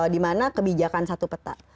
dimana kebijakan satu peta